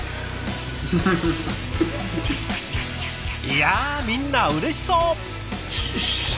いやみんなうれしそう！